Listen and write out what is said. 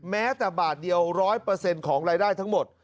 แม้แต่บาทเดียว๑๐๐ของรายได้ทั้งหมด